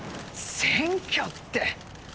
選挙って。